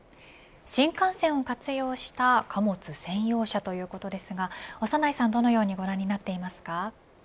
新幹線を活用した貨物専用車ということですが長内さん、どのようにご覧になっていますか。